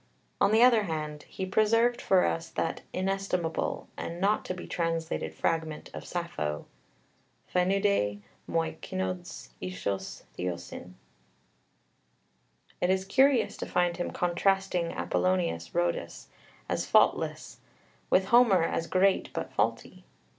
On the other hand, he preserved for us that inestimable and not to be translated fragment of Sappho φαίνεταί μοι κῆνος ἴσος θεοῖσιν. It is curious to find him contrasting Apollonius Rhodius as faultless, with Homer as great but faulty.